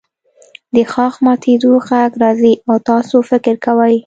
د ښاخ ماتیدو غږ راځي او تاسو فکر کوئ